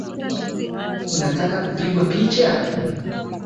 Unataka kupigwa picha